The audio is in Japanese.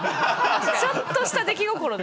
ちょっとした出来心で。